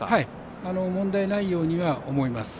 問題ないようには思います。